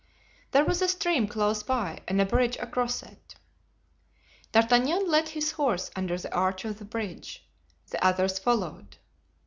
There was a stream close by and a bridge across it. D'Artagnan led his horse under the arch of the bridge. The others followed.